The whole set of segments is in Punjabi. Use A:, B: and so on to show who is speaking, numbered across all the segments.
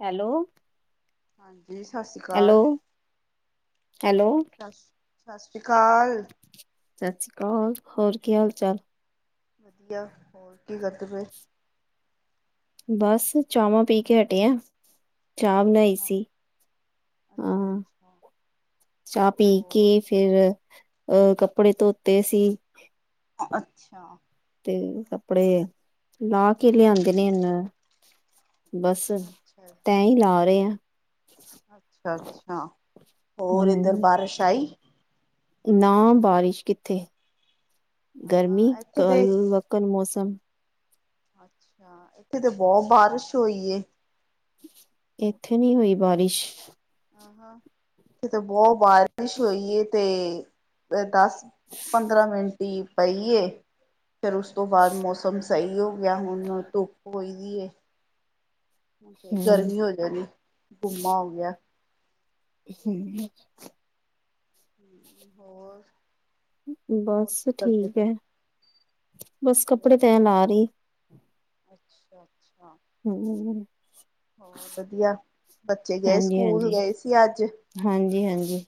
A: ਹੈਲੋ।
B: ਹਾਂਜੀ, ਸਤਿ ਸ਼੍ਰੀ
A: ਹੈਲੋ
B: ਅਕਾਲ।
A: ਹੈਲੋ।
B: ਸਸ, ਸਤਿ ਸ਼੍ਰੀ ਅਕਾਲ।
A: ਸਤਿ ਸ੍ਰੀ ਅਕਾਲ, ਹੋਰ ਕੀ ਹਾਲ ਚਾਲ?
B: ਵਧੀਆ, ਹੋਰ ਕੀ ਕਰਦੇ ਪਏ?
A: ਬਸ ਚਾਵਾਂ ਪੀ ਕੇ ਹਟੇ ਆ।
B: ਅੱਛਾ,
A: ਹਾਂ
B: ਅੱਛਾ-ਅੱਛਾ।
A: ਚਾਹ ਪੀ ਕੇ ਫਿਰ ਅਹ ਕੱਪੜੇ ਧੋਤੇ ਸੀ।
B: ਅੱਛਾ।
A: ਤੇ ਕੱਪੜੇ ਲਾਹ ਕੇ ਲਿਆਂਦੇ ਨੇ ਹੁਨ। ਬਸ
B: ਅੱਛਾ
A: ਤੈਅ ਹੀ ਲਾ ਰੇ ਆਂ।
B: ਅੱਛਾ-ਅੱਛਾ, ਹੋਰ ਏਧਰ
A: ਹਮ
B: ਬਾਰਸ਼ ਆਈ?
A: ਨਾ ਬਾਰਿਸ਼ ਕਿੱਥੇ,
B: ਹਾਂ
A: ਗਰਮੀ
B: ਇੱਥੇ
A: ਕਲ
B: ਤੇ
A: ਵਕਨ ਮੌਸਮ।
B: ਅੱਛਾ, ਏਥੇ ਤੇ ਬੋਤ ਬਾਰਸ਼ ਹੋਈ ਏ।
A: ਇੱਥੇ ਨੀ ਹੋਈ ਬਾਰਿਸ਼।
B: [unintelligible] ਏਥੇ ਬੋ ਬਾਰਿਸ਼ ਹੋਈ ਏ ਤੇ ਦਸ ਪੰਦਰਾਂ ਮਿੰਟ ਈ ਪਈ ਏ ਫੇਰ ਉਸ ਤੋਂ ਬਾਦ ਮੌਸਮ ਸਈ ਹੋ ਗਿਆ, ਹੁਨ ਧੁੱਪ ਹੋਈ ਦੀ ਏ। ਹੁਨ ਫੇਰ
A: ਹਮ
B: ਗਰਮੀ ਹੋ ਜਾਨੀ, ਗੁੰਮਾ ਹੋ ਗਿਆ।
A: ਹਮ
B: ਹੂੰ, ਹੋਰ ਹੋਰ
A: ਬਸ
B: ਕੀ ਕਰਦੇ
A: ਠੀਕ
B: ਪਏ?
A: ਐ, ਬਸ ਕੱਪੜੇ ਤੈਅ ਲਾ ਰੀ।
B: ਅੱਛਾ-ਅੱਛਾ।
A: ਹੂੰ।
B: ਹੋਰ ਵਧੀਆ, ਬੱਚੇ ਗਏ, ਸਕੂਲ ਗਏ ਸੀ ਅੱਜ।
A: ਹਾਂਜੀ-ਹਾਂਜੀ।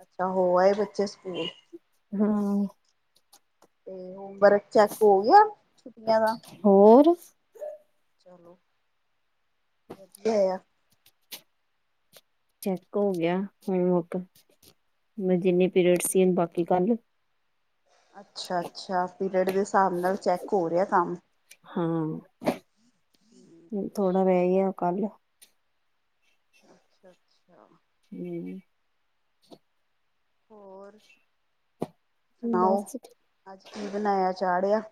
B: ਅੱਛਾ, ਹੋ ਆਏ ਬੱਚੇ ਸਕੂਲ।
A: ਹਾਂ।
B: ਤੇ, ਹੋਮ ਵਰਕ ਚੈੱਕ ਹੋ ਗਿਆ, ਛੁੱਟੀਆਂ ਦਾ।
A: ਹੋਰ।
B: ਚਲੋ, ਵਧੀਆ ਹੋਇਆ।
A: ਚੈੱਕ ਹੋ ਗਿਆ, ਹੋਮਵਰਕ, ਜਿੰਨੇ ਪੀਰੀਅਡ ਸੀ ਬਾਕੀ ਕੱਲ
B: ਅੱਛਾ-ਅੱਛਾ, ਪੀਰੀਅਡ ਦੇ ਹਿਸਾਬ ਨਾਲ ਚੈੱਕ ਹੋ ਰਿਹਾ, ਕੰਮ।
A: ਹੂੰ, ਥੋੜਾ ਰਹਿ ਗਿਆ, ਕੱਲ
B: ਅੱਛਾ, ਅੱਛਾ।
A: ਠੀ
B: ਹੋਰ, ਸੁਣਾਓ?
A: ਬਸ
B: ਅੱਜ ਕੀ ਬਣਾਇਆ, ਚਾੜਿਆ?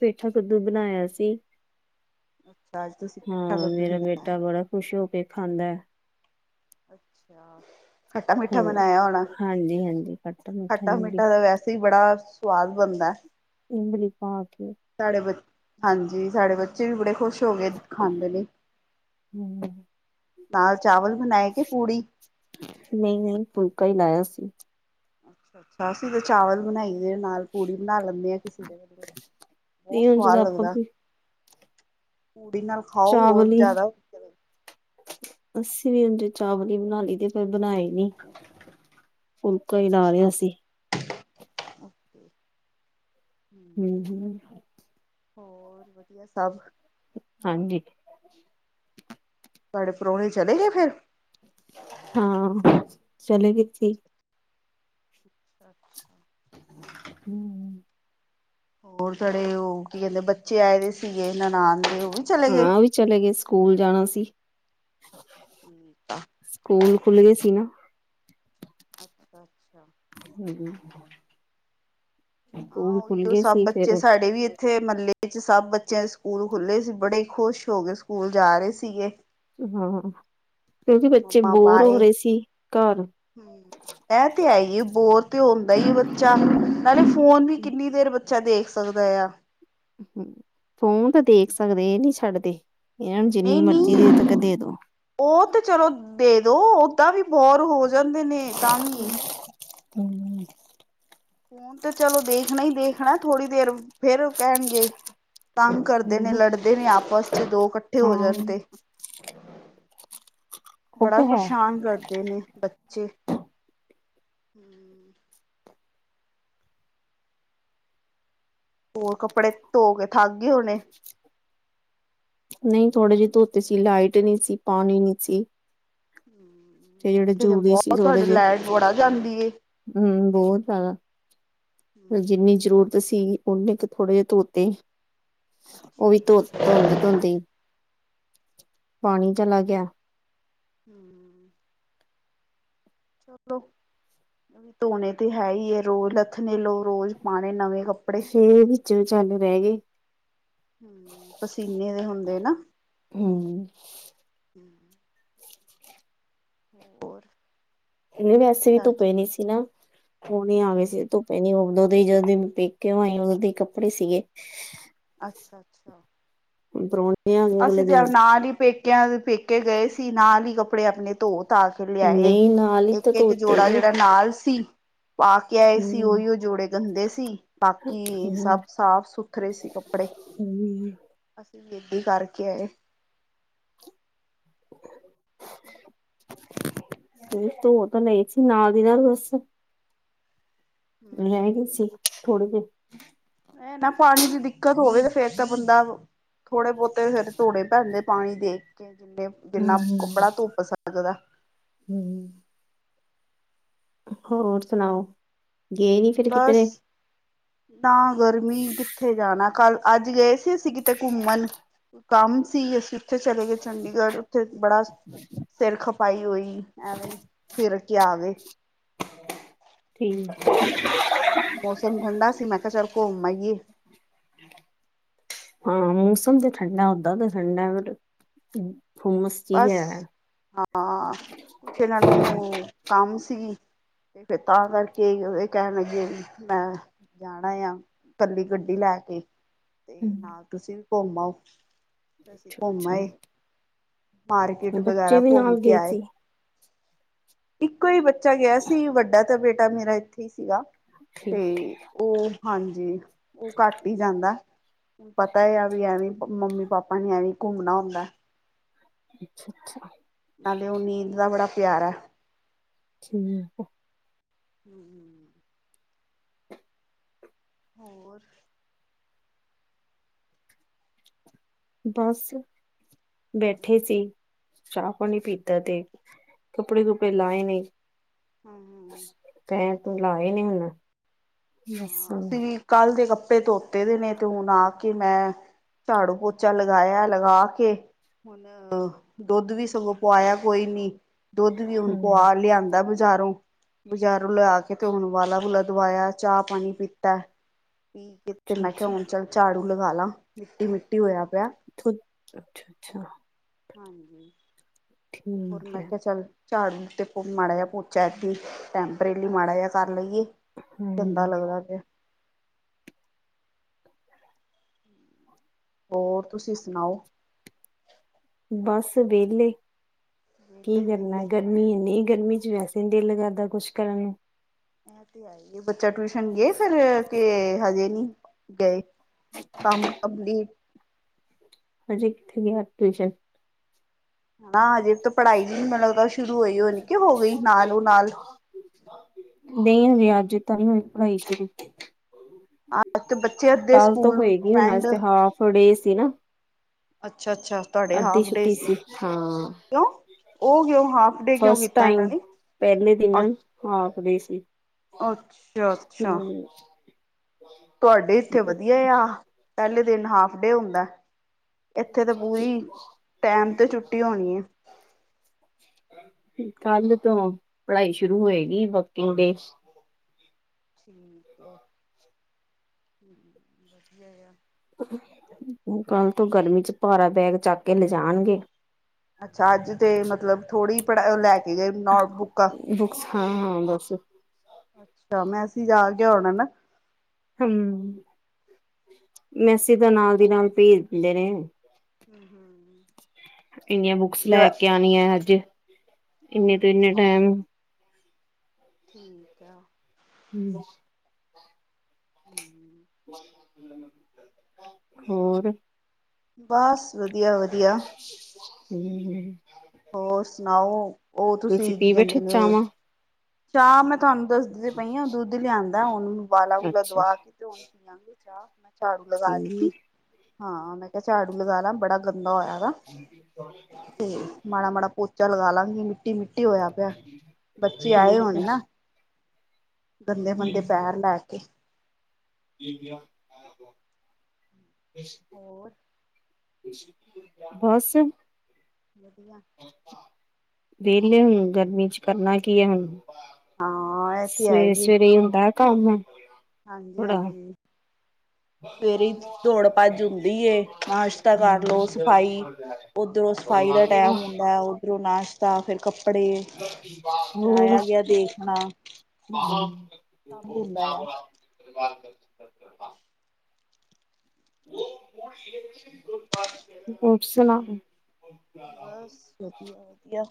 A: ਪੇਠਾ, ਕੱਦੂ ਬਣਾਇਆ ਸੀ।
B: ਅੱਛਾ, ਅੱਜ, ਤੁਸੀਂ ਪੇਠਾ
A: ਹਾਂ,
B: ਕੱਦੂ
A: ਮੇਰਾ ਬੇਟਾ ਬੜਾ ਖੁਸ਼ ਹੋਕੇ ਖਾਂਦੈ।
B: ਅੱਛਾ।
A: ਹੋ
B: ਖੱਟਾ-ਮਿੱਠਾ ਬਨਾਇਆ ਹੋਣਾ,
A: ਹਾਂਜੀ ਹਾਂਜੀ ਖੱਟਾ ਮਿੱਠਾ ਇਮਲੀ
B: ਖੱਟਾ-ਮਿੱਠਾ ਤਾਂ, ਵੈਸੇ ਈ, ਬੜਾ ਸਵਾਦ ਬਣਦਾ।
A: ਇਮਲੀ ਪਾਕੇ।
B: ਸਾਡੇ ਬੱ, ਹਾਂਜੀ, ਸਾੜੇ ਬੱਚੇ ਵੀ ਬੜੇ ਖੁਸ਼ ਹੋਕੇ ਖਾਂਦੇ ਨੇ।
A: ਹਮ
B: ਨਾਲ ਚਾਵਲ ਬਣਾਏ ਕੇ, ਪੂੜੀ?
A: ਨਹੀਂ-ਨਹੀਂ, ਫੁਲਕਾ ਹੀ ਲਾਇਆ ਸੀ।
B: ਅੱਛਾ, ਅਸੀਂ ਤੇ ਚਾਵਲ ਬਣਾਈਦੇ ਨੇ, ਨਾਲ। ਪੂੜੀ ਬਣਾ ਲੈਂਦੇ ਹਾਂ, ਕਿਸੇ ਦਿਨ,
A: ਤੇ
B: ਬਹੁਤ
A: ਹੁਣ ਜਦੋਂ
B: ਸਵਾਦ
A: ਆਪਾਂ
B: ਲੱਗਦਾ।
A: ਵੀ
B: ਪੂੜੀ ਨਾਲ‌?
A: ਚਾਵਲ ਈ। ਅਸੀਂ ਵੀ, ਉਂਝ ਚਾਵਲ ਹੀ ਬਣਾ ਲਈ ਦੇ, ਪਰ ਬਣਾਏ ਨੀ। ਫੁਲਕਾ ਹੀ, ਲਾ ਲਿਆ ਸੀ।
B: ਅੱਛ
A: ਹੂੰ, ਹੂੰ।
B: ਹੋਰ, ਵਧੀਆ ਸਭ?
A: ਹਾਂਜੀ।
B: ਤਾਹਡੇ ਪ੍ਰਾਹੁਣੇ ਚਲੇ ਗੇ? ਫਿਰ।
A: ਹਾਂ, ਚਲੇਗੇ ਸੀ।
B: ਅੱਛਾ।
A: ਹੂੰ
B: ਹੋਰ, ਤਵਾੜੇ, ਉਹ ਕੀ ਕਹਿੰਦੇ ਬੱਚੇ ਆਏ ਦੇ ਸੀਗੇ, ਨਨਾਣ ਦੇ ਉਹ ਵੀ ਚਲੇ ਗਏ।
A: ਹਾਂ, ਉਹ ਵੀ ਚਲੇ ਗਏ, ਸਕੂਲ ਜਾਣਾ ਸੀ।
B: ਠੀਕ ਆ
A: ਸਕੂਲ ਖੁੱਲ ਗਏ ਸੀ ਨਾ।
B: ਅੱਛਾ- ਅੱਛਾ।
A: ਹੂੰ, ਹੂੰ
B: ਹਾਂ, ਉਹੀਓ ਸਭ
A: ਸੀ ਫੇਰ
B: ਬੱਚੇ ਸਾਡੇ ਵੀ ਇੱਥੇ ਮਹੱਲੇ 'ਚ ਸਭ ਬੱਚਿਆਂ ਦੇ ਸਕੂਲ ਖੁੱਲੇ ਸੀ, ਬੜੇ ਈ ਖੁਸ਼ ਹੋਕੇ ਸਕੂਲ ਜਾ ਰਹੇ ਸੀਗੇ।
A: ਹਾਂ, ਹਾਂ, ਕਿਉਂਕਿ ਬੱਚੇ ਬੋਰ ਹੋ ਰਹੇ ਸੀ, ਘਰ
B: ਹੂੰ, ਐ, ਤੇ, ਹੈਹੀ, ਏ ਬੋਰ ਤੇ ਹੋਂਦਾ ਈ ਏ ਬੱਚਾ, ਨਾਲੇ ਫੋਨ ਵੀ ਕਿੰਨੀ ਦੇਰ ਬੱਚਾ ਦੇਖ ਸਕਦਾ ਯਾ।
A: ਹੂੰ, ਫੋਨ ਤਾਂ ਦੇਖ ਸਕਦੇ ਇਹ ਨੀ ਛੱਡਦੇ, ਇਹਨਾਂ ਨੂੰ ਜਿੰਨੀ
B: ਨਹੀਂ
A: ਮਰਜ਼ੀ ਦੇ
B: ਨਹੀਂ
A: ਤੱਕ ਦੇ-ਦੋ।
B: ਉਹ ਤੇ ਚਲੋ, ਦੇਦੋ। ਓਦਾਂ ਵੀ ਬੋਰ ਹੋ ਜਾਂਦੇ ਨੇ, ਤਾਂ, ਵੀ
A: ਹੂੰ।
B: ਫੁਨ ਤੇ ਚਲੋ, ਦੇਖਣਾ ਹੀ ਦੇਖਣਾ, ਥੋੜ੍ਹੀ ਦੇਰ ਫਿਰ, ਕਹਿਣਗੇ ਤੰਗ ਕਰਦੇ ਨੇ ਲੜਦੇ ਨੇ, ਆਪਸ'ਚ ਦੋ ਇਕੱਠੇ ਹੋ ਜਾਣ,
A: ਹਾਂ।
B: ਤੇ
A: ਉਹ
B: ਬੜਾ
A: ਤੇ ਹੈ।
B: ਪਰੇਸ਼ਾਨ ਕਰਦੇ ਨੇ, ਬੱਚੇ। ਹਮ [inaudible] ਹੋਰ ਕੱਪੜੇ ਧੋ ਕੇ ਥਕ ਗਏ ਹੋਣੇ
A: ਨਹੀਂ ਥੋੜੇ ਜਿਹੇ ਧੋਤੇ ਸੀ ਲਾਈਟ ਨਹੀਂ ਸੀ ਪਾਣੀ ਨਹੀ ਸੀ
B: ਹਮ
A: ਜਿਹੜੇ
B: ਇੱਥੇ ਤੇ
A: ਜ਼ਰੂਰੀ
B: ਬਹੁਤ ਤੁਹਾਡੀੇ ਲਾਈਟ ਵੜਾ ਜਾਂਦੀ ਏ
A: ਹਮ ਬਹੁਤ ਆ ਤ ਜਿੰਨੀ ਜ਼ਰੂਰਤ ਸੀ ਉਨੇ ਕੁ ਥੋੜੇ ਜਿਹੇ ਧੋਤੇ ਉਹ ਵੀ
B: ਅੱਛਾ
A: ਧੋ ਧੋਂਦੇ ਧੋਂਦੇ ਹੀ ਪਾਣੀ ਚਲਾ ਗਿਆ
B: ਹਮ ਚਲੋ ਧੋਣੇ ਤੇ ਹੈ ਹੀ ਰੋਜ਼ ਲੱਥ ਨੇ ਲੋ ਰੋਜ਼ ਪਾਣੇ ਨਵੇਂ ਕੱਪੜੇ
A: ਫੇ ਵਿੱਚੋਂ ਚਾਲੂ ਰਹਿ ਗਏ
B: ਹਮ ਪਸੀਨੇ ਦੇ ਹੁੰਦੇ ਨਾ
A: ਹਮ
B: ਹੋਰ
A: ਵੈਸੇ ਵੀ ਧੁੱਪੇ ਨੀ ਸੀ ਨਾ ਹੁ ਨ ਆਵੇ
B: ਹੂੰ-ਹੂੰ
A: ਸੀ ਧੁੱਪ ਪਹਿੰਦੀ ਉਦੋਂ ਦੇ ਹੀ ਜਦੋਂ ਦੀ ਪੇਕੇ ਹੋਈ ਉਦੋਂ ਦੇ ਹੀ ਕੱਪੜੇ ਸੀਗੇ
B: ਅੱਛਾ-ਅੱਛਾ
A: ਉਧਰੋਂ
B: ਅਸੀਂ ਤੇ ਨਾਲ ਹੀ ਪੇਕਿਆਂ ਦੇ ਪੇਕੇ ਗਏ ਸੀ ਨਾਲ ਹੀ ਕੱਪੜੇ ਆਪਣੇ ਧੋ ਧਾ ਕੇ ਲਿਆਏ
A: ਨਹੀਂ ਨਾਲ ਹੀ ਤਾਂ
B: ਇੱਕ-ਇੱਕ
A: ਧੋਤੇ
B: ਜੋੜਾ
A: ਨੇ
B: ਜਿਹੜਾ ਨਾਲ ਸੀ ਪਾ ਕੇ ਆਏ ਸੀ
A: ਹਮ
B: ਉਹੀ ਉਹ ਜੋੜੇ ਗੰਦੇ ਸੀ ਬਾਕੀ ਸਭ ਸਾਫ ਸੁਥਰੇ ਸੀ ਕੱਪੜੇ
A: ਉਹੀ
B: ਅਸੀਂ ਗੇਡੀੱ ਕਰਕੇ ਆਏ
A: ਫ ਤ ਉਹ ਤਾਂ ਨਹੀਂ ਸੀ ਨਾਲ ਦੀ ਨਾਲ ਬੱਸ
B: ਹੂੰ
A: ਲਿਆਏ ਗਏ
B: ਹੂੰ,
A: ਸੀ ਥੋੜੇ ਜਿਹੇ
B: ਇਹ ਨਾ ਪਾਣੀ ਦੀ ਦਿੱਕਤ ਹੋਵੇ ਤੇ ਫੇਰ ਤਾਂ ਬੰਦਾ ਥੋੜੇ ਬਹੁਤੇ ਫਿਰ ਧੋੜੇ ਪੈਂਦੇ ਪਾਣੀ ਦੇਖ ਕੇ ਜਿੰਨੇ ਜਿੰਨਾ ਕੱਪੜਾ ਧੁੱਪ ਸਕਦਾ
A: ਹਮ ਹੋਰ ਸੁਣਾਓ ਗਏ ਨੀ ਫਿਰ
B: ਬਸ
A: ਕਿਧਰੇ
B: ਨਾ ਗਰਮੀ ਕਿੱਥੇ ਜਾਣਾ ਕੱਲ ਅੱਜ ਗਏ ਸੀ ਅਸੀਂ ਕਿਤੇ ਘੁੰਮਣ ਕੰਮ ਸੀ ਅਸੀਂ ਉੱਥੇ ਚਲੇ ਗਏ ਚੰਡੀਗੜ੍ਹ ਉੱਥੇ ਬੜਾ ਸਿਰ ਖਪਾਈ ਹੋਈ ਐਵੇਂ ਫਿਰ ਕੇ ਆ ਗਏ
A: ਠੀਕ
B: ਹਾਂ ਮੌਸਮ ਠੰਡਾ ਸੀ ਮੈਂ ਕਿਹਾ ਚੱਲ ਘੁੰਮ ਆਈਏ
A: [unintelligible] ਹਾਂ ਮੌਸਮ ਤੇ ਠੰਡਾ ਓਦਾਂ ਤੇ ਠੰਡਾ ਫਿਰ
B: ਬਸ ਹਾਂ ਕੁਛ ਇਹਨਾਂ ਨੂੰ ਕੰਮ ਸੀ ਤੇ ਫਿਰ ਤਾਂ ਕਰਕੇ ਉਹਦੇ ਕਹਿਣ ਲੱਗੇ ਮੈਂ ਜਾਣਾ ਆ ਇਕੱਲੀ ਗੱਡੀ ਲੈ ਕੇ ਤੇ ਨਾਲ ਤੁਸੀਂ ਵੀ ਘੁੰਮ ਆਓ ਅਸੀਂ ਘੁੰਮ ਆਏ
A: ਅੱਛਾ-ਅੱਛਾ।
B: ਮਾਰਕੀਟ
A: ਬੱਚੇ
B: ਵਗੈਰਾ
A: ਵੀ
B: ਘੁੰਮ
A: ਨਾਲ
B: ਕੇ
A: ਗਏ
B: ਆਏ
A: ਸੀ।
B: ਇੱਕੋ ਈ ਬੱਚਾ ਗਿਆ ਸੀ ਵੱਡਾ ਤਾਂ ਬੇਟਾ ਮੇਰਾ ਇੱਥੇ ਈ ਸੀਗਾ।
A: ਠੀਕ ਠੀਕ
B: ਉ ਹਾਂਜੀ ਓ ਘੱਟ ਈ ਜਾਂਦਾ ਪਤਾ ਏ ਆ ਵੀ ਐਵੇਂ ਮੰਮੀ ਪਾਪਾ ਨੀ ਐਵੇਂ ਘੁੰਮਣਾ ਹੁੰਦਾ
A: ਅੱਛਾ, ਅੱਛਾ
B: ਨਾਲੇ ਉ ਨੀਂਦ ਦਾ ਬੜਾ ਪਿਆਰੇ
A: ਠੀਕ
B: ਹਮ ਹਮ [inaudible] ਹੋਰ
A: ਬਸ ਬੈਠੇ ਸੀ ਚਾ ਪਾਣੀ ਪੀਤਾ ਤੇ ਕੱਪੜੇ ਕੁਪੜੇ ਲਾਏ ਨੇ
B: ਹੂੰ ਹੂੰ
A: ਤੈ ਤੂੰ ਲਾਏ ਨੀ ਹੁਣ ਬਸ।
B: ਹਾਂ ਅਸੀਂ ਵੀ ਕੱਲ੍ਹ ਦੇ ਕੱਪੜੇ ਧੋਤੇ ਦੇ ਨੇ ਤੇ ਹੁਣ ਆ ਕੇ ਮੈਂ ਝਾੜੂ ਪੋਚਾ ਲਗਾਇਆ ਲਗਾ ਕੇ ਹੁਣ ਦੁੱਧ ਵੀ ਸਗੋਂ ਪਆਇਆ ਕੋਈ ਨੀ ਦੁੱਧ ਵੀ ਹੁਣ
A: ਹੂੰ,
B: ਪੇਆ ਲਿਆਦਾ ਬਜ਼ਾਰੋਂ-ਬਜ਼ਾਰੋਂ ਲਿਆ ਕੇ ਤੇ ਹੁਣ ਓਵਾਲਾ ਵੁਲਾ ਦਵਾਇਆ ਚਾਹ ਪਾਣੀ ਪੀਤਾ ਮੈਂ ਕਿਹਾ
A: ਅੱਛਾ-ਅੱਛਾ,
B: ਹੁਣ ਚੱਲ ਝਾੜੂ ਲਗਾ ਲਾ ਮਿੱਟੀ-ਮਿੱਟੀ ਹੋਇਆ ਪਿਆ
A: ਅੱਛਾ, ਅੱਛਾ
B: ਹਾਂਜੀ ਤੇ ਹੋਰ ਮੈਂ ਕਿਆ ਚੱਲ ਝਾੜੂ ਤੇ ਮਾੜਾ ਜਆ ਪੋਚਾ ਏ ਟੈਂਪਰੇਲੀ ਮਾੜਾ ਜਆ ਕਰ ਲਈਏ ਗਨਦਾ
A: ਹੂੰ,
B: ਲੱਗਦਾ ਪ ਹੋਰ ਤੁਸੀਂ ਸੁਣਾਓ
A: ਬਸ ਵੇਲੇ
B: ਵਿਹਲੇ
A: ਕੀ
B: ਹੀ
A: ਕਰਨਾ
B: ਵਿਹਲੇ
A: ਗਰਮੀ ਇਨੀ ਗਰਮੀ ਚ ਵੈਸੇ ਨੀ ਦਿਲ ਕਰਦਾ ਕੁੱਛ ਕਰਨ ਨੂੰ
B: ਤੇ ਆ ਬੱਚਾ ਟਿਊਸ਼ਨ ਗਏ ਫੇਰ ਕੇ ਹਜੇ ਨੀ ਗਏ ਕੰਮ ਕੰਪਲੀਟ
A: ਹਜੇ ਕਿੱਥੇ ਗਿਆ ਟਿਊਸ਼ਨ
B: ਹਜੇ ਤਾਂ ਪੜਾਈ ਜੀ ਨੀ ਮੈਨੂੰ ਲੱਗਦਾ ਉਹ ਸ਼ੁਰੂ ਹੋਈ ਉਹ ਨੀ ਕਿ ਹੋ ਗਈ ਨਾਲ ਉਹ ਨਾਲ
A: ਨਹੀਂ ਹਜੇ ਅਜ ਤਾਂ ਨੀ ਹੋਈ ਪੜਾਈ ਸ਼ੁਰੂ
B: [inaudible]
A: ਕੱਲ ਤੋਂ ਹੋਏਗੀ ਹੁਨ ਅੱਜ
B: ਫਰੈਂਡ
A: ਤੇ ਹਾਫ ਡੇ ਸੀ ਨਾ
B: ਅੱਛਾ ਅੱਛਾ ਤੁਹਾਡੇ
A: ਅੱਧੀ
B: ਹਾਫ ਡੇ
A: ਛੁੱਟੀ ਸੀ ਹਾਂ
B: ਕਿਉਂ ਉਹ ਕਿਉਂ ਹਾਫ ਡੇ ਕਿਉਂ
A: ਫਸਟ
B: ਕੀਤਾ ਇਹਨਾਂ
A: ਟਾਈਮ
B: ਨੇ
A: ਪਹਿਲੇ
B: ਅ
A: ਦਿਨਾਂ ਹਾਫ ਡੇ ਸੀ
B: ਅੱਛਾ, ਅੱਛਾ
A: ਹੂੰ
B: ਤੁਹਾਡੇ ਇੱਥੇ ਵਧੀਆ ਆ ਪਹਿਲੇ ਦਿਨ ਹਾਫ ਡੇ ਹੁੰਦਾ ਇੱਥੇ ਤਾਂ ਪੂਰੀ ਟੈਮ ਤੇ ਛੁੱਟੀ ਹੋਨੀ ਏ
A: ਕੱਲ ਤੋਂ ਪੜ੍ਹਾਈ ਸ਼ੁਰੂ ਹੋਏਗੀ ਵਰਕਿੰਗ ਡੇ
B: [inaudible]
A: ਕੱਲ ਤੋਂ ਗਰਮੀ ਚ ਭਾਰਾ ਬੈਗ ਚੱਕ ਕੇ ਲਜਾਣਗੇ
B: ਅੱਛਾ ਅੱਜ ਤੇ ਮਤਲਬ ਥੋੜ੍ਹੀ ਪੜ੍ਹ ਲੈ ਕੇ ਕਿ ਨੋਟ ਬੁੱਕਾ
A: ਬੁੱਕਸ ਹਾਂ ਹਾਂ ਬਸ
B: ਅਛਾ। ਮੈਸੇਜ ਆ ਗਿਆ ਹੋਨਾ ਨਾ
A: ਹੂੰ ਮੈਸੀਜ ਤਾਂ ਨਾਲ ਦੀ ਨਾਲ ਭੇਜ ਦੀਂਦੇ ਨੇ
B: [inaudible]
A: ਕਿੰਨੀਆਂ ਬੁੱਕਸ ਲੈ ਕੇ ਆਣੀਆਂ ਅੱਜ ਕਿ ਕਿੰਨੇ ਤੋਂ ਕਿੰਨੇ ਟਾਈਮ
B: [inaudible]
A: ਹੂੰ
B: ਹਮ!
A: ਹੋਰ।
B: ਬਸ, ਵਧੀਆ -ਵਧੀਆ।
A: ਹਮ ਹ!
B: ਹੋਰ ਸੁਣਾਓ ਉਹ ਤੁਸੀਂ ਕੀ
A: ਪੀ
B: ਕਹਿੰਦੇ
A: ਬੈਠੇ
B: ਨੇ?
A: ਚਾਵਾਂ
B: ਚਾਹ ਮੈਂ ਤੁਹਾਨੂੰ ਦੱਸਦੀ ਪਈ ਆਂ ਦੁੱਧ ਲਿਆਉਂਦਾ ਹੁਣ ੳਬਾਲਾ
A: ਅੱਛਾ
B: ਦਵਾ ਕੇ ਤੇ। ਚਾਹ ਮੈਂ ਝਾੜੂ ਲਗਾ ਰਹੀ ਸੀ।
A: ਠੀਕ
B: ਹਾਂ ਮੈਂ ਕਿਹਾ ਝਾੜੂ ਲਗਾ ਲਾ ਬੜਾ ਗੰਦਾ ਹੋਇਆ ਵਾ ਤੇ ਮਾੜਾ- ਮਾੜਾ ਪੋਚ‌। ਪੋਚਾ ਲਗਾ ਲਾਂਗੇ ਮਿੱਟੀ ਮਿੱਟੀ ਹੋਇਆ ਪਿਆ ਬੱਚੇ ਆਏ ਹੋਣੇ ਨਾ। ਗੰਦੇ ਮੰਦੇ ਪੈਰ ਲੈ ਕੇ।
A: ਕੀ ਕਿਹਾ?
B: ਹੋਰ
A: ਬਸ
B: ਵਧੀਆ
A: ਵਿਹਲੇ ਹੁਣ ਗਰਮੀ ਚ ਕਰਨਾ ਕੀ ਆ, ਹੁਣ
B: ਹਾਂ ਇਹ ਤੇ ਹੈ
A: ਸਵੇਰੇ
B: ਹੀ
A: -ਸਵੇਰੇ ਈ ਹੁੰਦਾ ਕੰਮ
B: ਹਾਂਜੀ,
A: ਥੋੜਾ
B: ਹਾਂਜੀ। ਸਵੇਰੇ ਈ ਦੌੜ ਭੱਜ ਹੁੰਦੀ ਏ, ਨਾਸ਼ਤਾ ਕਰ ਲਉ ਸਫ਼ਾਈ ਓਧਰੋਂ ਸਫ਼ਾਈ ਦਾ ਟੈਮ ਹੁੰਦਾ ਏ, ਓਧਰੋਂ ਨਾਸ਼ਤਾ, ਫਿਰ ਕੱਪੜੇ। ਕੱਪੜੇ ਫਿਰ, ਆਇਆ
A: ਹੋਰ
B: ਗਿਆ ਦੇਖਣਾ। ਸਭ ਹੁੰਦਾ ਆ
A: [inaudible] ਹੋਰ ਸੁਣਾ?
B: ਬਸ, ਵਧੀਆ- ਵਧੀਆ।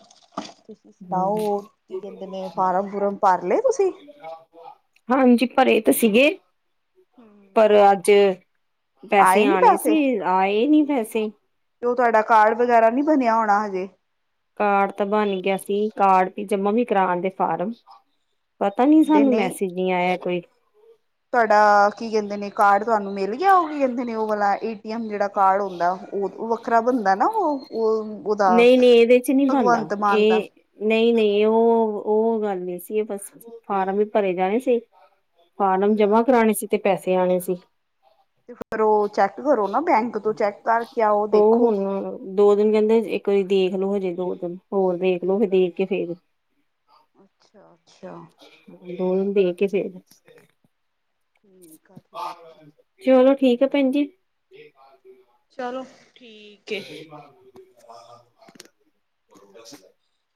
B: ਸੁਣਾਓ ਕੀ ਕਹਿੰਦੇ ਨੇ, ਫਾਰਮ -ਫੁਰਮ ਭਰ ਲਏ ਤੁਸੀਂ?
A: ਹਾਂਜੀ ਭਰੇ ਤਾਂ ਸੀਗੇ
B: ਹਮ
A: ਪਰ, ਅੱਜ।
B: ਆਏ
A: ਪੈਸੇ
B: ਨੀ
A: ਆਉਣੇ
B: ਪੈਸੇ
A: ਸੀ, ਆਏ ਨੀ ਪੈਸੇ।
B: ਤੇ ਉਹ ਤੁਹਾਡਾ ਕਾਰਡ ਵਗੈਰਾ ਨੀ, ਬਣਿਆ ਹੋਣਾ ਹਜੇ?
A: ਕਾਰਡ ਤਾਂ ਬਣ ਗਿਆ ਸੀ। ਕਾਰਡ ਵੀ ਜਮਾ ਵੀ ਕਰਾ ਆਂਦੇ ਫਾਰਮ। ਪਤਾ ਨੀ
B: ਤੇ
A: ਸਾਨੂੰ,
B: ਨਹੀਂ
A: ਮੈਸੇਜ ਨੀ ਆਇਆ ਕੋਈ।
B: ਤੁਹਾਡਾ ਕੀ ਕਹਿੰਦੇ ਨੇ, ਕਾਰਡ ਤੁਹਾਨੂੰ ਮਿਲ ਗਿਆ। ਉਹ ਕੀ ਕਹਿੰਦੇ ਨੇ ਉਹ ਵਾਲਾ ਜਿਹੜਾ ਕਾਰਡ ਹੁੰਦਾ। ਉਹ ਵੱਖਰਾ ਬਣਦਾ ਨਾ ਉਹ -ਉਹ ਉਹਦਾ
A: ਨਹੀਂ ਨਹੀਂ ਇਹਦੇ ਚ ਨਹੀਂ ਬਣਦਾ
B: ਭਗਵੰਤ ਮਾਨ ਦਾ।
A: ਇਹ ਨਹੀਂ -ਨਹੀਂ, ਉਹ -ਉਹ ਗੱਲ ਨਹੀਂ ਸੀ, ਇਹ ਬਸ ਫਾਰਮ ਹੀ ਭਰੇ ਜਾਣੇ ਸੀ। ਫਾਰਮ
B: ਹੂੰ
A: ਜਮਾ ਕਰਾਣੇ ਸੀ, ਤੇ ਪੈਸੇ ਆਉਣੇ ਸੀ।
B: ਤੇ ਫੇਰ ਉਹ ਚੈੱਕ ਕਰੋ ਨਾ, ਬੈਂਕ ਤੋਂ ਚੈੱਕ ਕਰਕੇ ਆਓ
A: ਉਹ
B: ਦੇਖੋ।
A: ਹੁਣ ਦੋ ਦਿਨ ਕਹਿੰਦੇ, ਇੱਕ ਵਾਰੀ ਦੇਖ ਲਉ ਹਜੇ ਦੋ ਦਿਨ ਹੋਰ ਦੇਖ ਲਉ, ਫਿਰ ਦੇਖ ਕੇ ਫੇਰ।
B: ਅੱਛਾ -ਅੱਛਾ।
A: ਦੋ ਦਿਨ ਦੇਖਕੇ, ਫਿਰ।
B: ਹਮ।
A: ਚਲੋ ਠੀਕ ਹੈ, ਭੈਣ ਜੀ।
B: ਚਲੋ ਠੀਕ। ਏ।
A: [unintelligible]